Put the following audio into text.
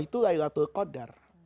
itu laylatul qadar